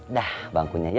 udah bangkunya ya